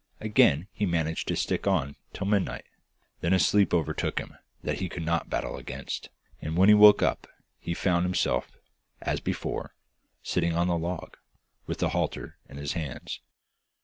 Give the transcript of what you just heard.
Again he managed to stick on till midnight: then a sleep overtook him that he could not battle against, and when he woke up he found himself, as before, sitting on the log, with the halter in his hands.